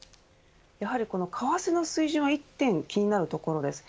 やはり為替の水準は一点、気になるところです。